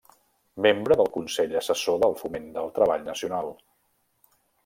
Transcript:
Membre del Consell Assessor del Foment del Treball Nacional.